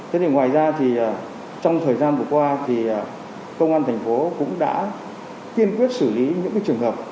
thế thì ngoài ra thì trong thời gian vừa qua thì công an thành phố cũng đã kiên quyết xử lý những trường hợp